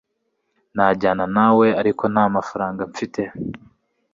najyana nawe, ariko ntamafaranga mfite